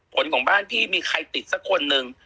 ผลของบ้านพี่มีใครติดสักคนหนึ่ง